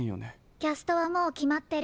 キャストはもうきまってる。